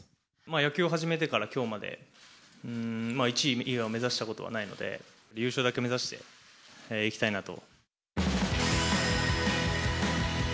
野球を始めてからきょうまで１位以外を目指したことはないので、優勝だけ目指していきたいなと。